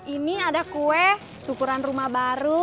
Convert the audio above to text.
ini ada kue syukuran rumah baru